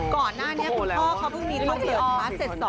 ก่อนหน้านี้คุณพ่อเค้าเพิ่งมีคอนเสิร์ตมาเสร็จ๒